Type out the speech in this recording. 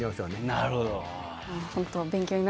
なるほど！